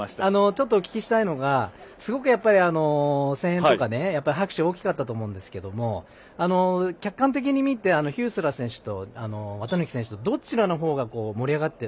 ちょっとお聞きしたいのがすごく声援とか拍手が大きかったと思うんですけど客観的に見てヒュースラー選手と綿貫選手どちらのほうが盛り上がって